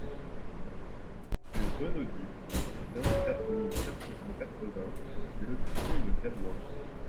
Rue Renaudie, vingt-quatre mille quatre cent quatre-vingts Le Buisson-de-Cadouin